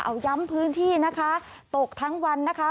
เอาย้ำพื้นที่นะคะตกทั้งวันนะคะ